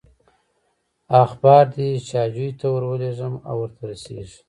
اخبار دې شاجوي ته ورولېږم او ورته رسېږي.